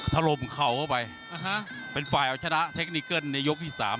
ทะลมเข้าเข้าไปอ่าฮะเป็นไฟเอาชนะเทคนิกเกิ้ลในยกที่สาม